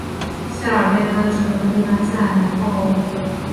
夏尔被他的侄子推翻下台后加洛林王朝的大帝国正式四分五裂了。